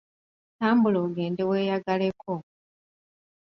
Tambula ogende weeyagaleko